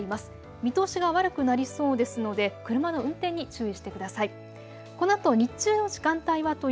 見通しが悪くなりそうですので車の運転に注意してください。